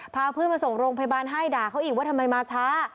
พาเพื่อนมาส่งโรงพยาบาลให้ด่าเขาอีกว่าทำไมมาช้า